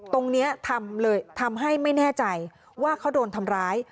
ตรงนี้ทำให้ไม่แน่ใจว่าเขาโดนทำร้าย